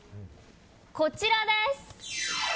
こちらです。